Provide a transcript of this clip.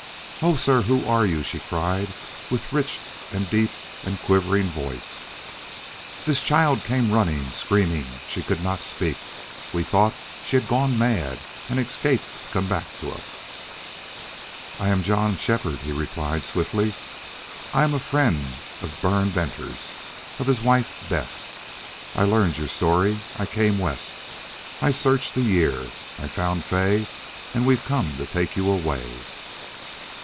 "Oh, sir, who are you?" she cried, with rich and deep and quivering voice. "This child came running screaming. She could not speak. We thought she had gone mad and escaped to come back to us." "I am John Shefford," he replied, swiftly. "I am a friend of Bern Venters of his wife Bess. I learned your story. I came west. I've searched a year. I found Fay. And we've come to take you away."